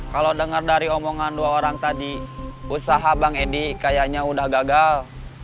kalau dengar dari omongan dua orang tadi usaha bang edi kayaknya udah gagal